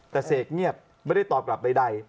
แต่เสกเงียบไม่ได้ตอบกลับใด